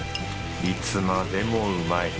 いつまでもうまい。